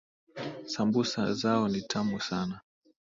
Sambusa zao ni tamu sana